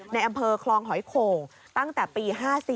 ในอำเภอคลองหอยโข่งตั้งแต่ปี๕๔